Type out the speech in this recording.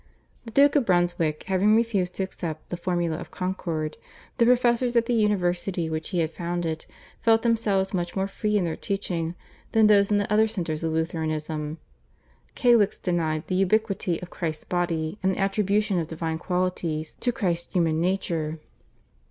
The Duke of Brunswick having refused to accept the /Formula of Concord/, the professors at the university which he had founded felt themselves much more free in their teaching than those in other centres of Lutheranism. Calixt denied the ubiquity of Christ's body and the attribution of divine qualities to Christ's human nature.